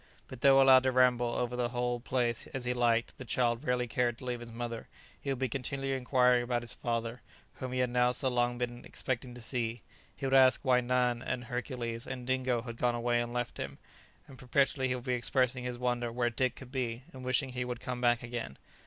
But though allowed to ramble over the whole place as he liked, the child rarely cared to leave his mother; he would be continually inquiring about his father, whom he had now so long been expecting to see: he would ask why Nan and Hercules and Dingo had gone away and left him; and perpetually he would be expressing his wonder where Dick could be, and wishing he would come back again.